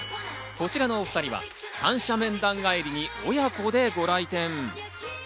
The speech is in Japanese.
こちらのお２人は三者面談帰りに親子でご来店。